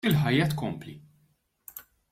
Il-ħajja tkompli.